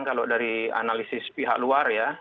kalau dari analisis pihak luar ya